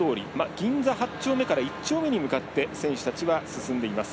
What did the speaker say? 銀座８丁目から１丁目に向かって選手たちは進んでいます。